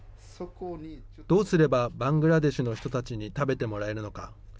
どうすればバングラデシュの人たちに食べてもらえるのか。